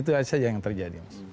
itu saja yang terjadi